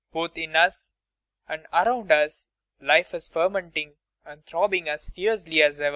Both in us and around us life is fermenting and throbbing as fiercely as ever!